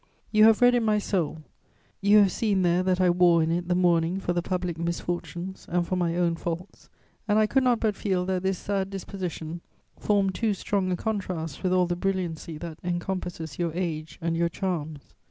"You have read in my soul; you have seen there that I wore in it the mourning for the public misfortunes and for my own faults, and I could not but feel that this sad disposition formed too strong a contrast with all the brilliancy that encompasses your age and your charms.